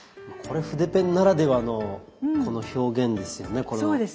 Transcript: これ筆ペンならではの表現ですよねこれは。